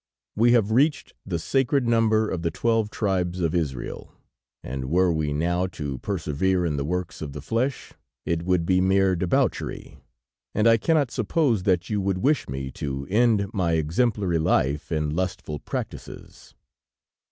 We have reached the sacred number of the twelve tribes of Israel, and were we now to persevere in the works of the flesh, it would be mere debauchery, and I cannot suppose that you would wish me to end my exemplary life in lustful practices."